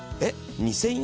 ２０００円？